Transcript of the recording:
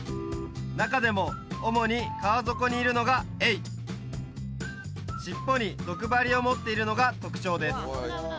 中でも主に川底にいるのがエイ尻尾に毒針を持っているのが特徴です